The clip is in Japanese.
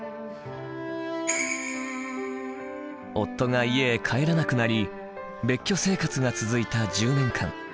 夫が家へ帰らなくなり別居生活が続いた１０年間。